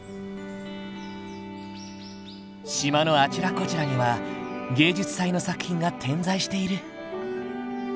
島のあちらこちらには芸術祭の作品が点在している。